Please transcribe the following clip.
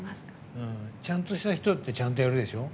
ちゃんとした人ってちゃんとやるでしょ。